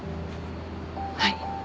はい。